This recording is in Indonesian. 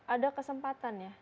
ada kesempatan ya